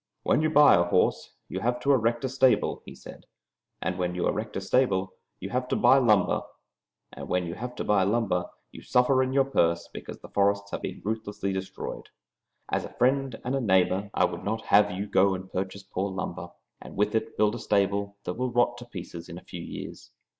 "When you buy a horse, you have to erect a stable," he said, "and when you erect a stable, you have to buy lumber, and when you have to buy lumber, you suffer in your purse because the forests have been ruthlessly destroyed. As a friend and neighbour I would not have you go and purchase poor lumber, and with it build a stable that will rot to pieces in a few years.